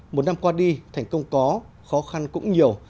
một năm qua đi thành công có khó khăn cũng nhiều